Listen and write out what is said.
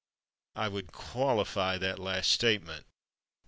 I would qualify that last statement.